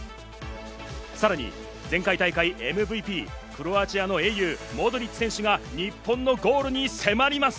さらに前回大会ＭＶＰ、クロアチアの英雄・モドリッチ選手が日本のゴールに迫ります。